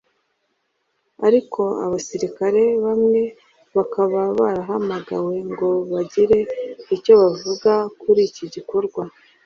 ariko abasirikare bamwe bakaba barahamagawe ngo bagire icyo bavuga kuri iki gikorwa